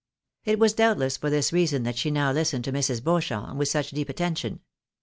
It was doubtless for this reason that she now listened to IMrs. Beauchamp with such deep attention.